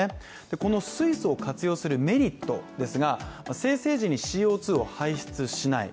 この水素を活用するメリットですが生成時にＣＯ２を排出しない。